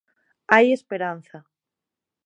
Hai esperanza.